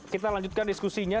kita lanjutkan diskusinya